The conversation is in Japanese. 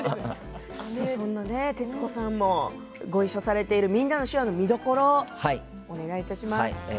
そんな徹子さんもご一緒されている「みんなの手話」の見どころお願いいたします。